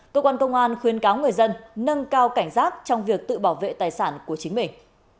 cơ quan công an khuyến cáo người dân nâng cao cảnh giác trong việc tự bảo vệ tài sản của chính mình